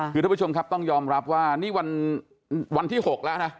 คือท่านผู้ชมครับต้องยอมรับว่านี่วันที่๖แล้วนะ